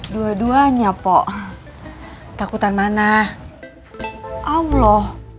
dua duanya pok takutan mana allah